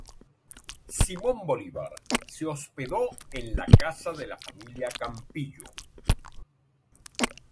Simón Bolívar se hospedó en casa de la familia Campillo.